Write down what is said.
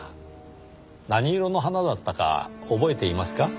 何色の花だったか覚えていますか？